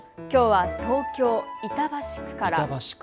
きょうは東京板橋区から。